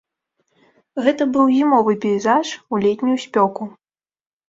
Гэта быў зімовы пейзаж у летнюю спёку.